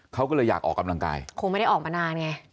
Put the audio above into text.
เขาก็เลยอยากออกกำลังกายคงไม่ได้ออกมานานไง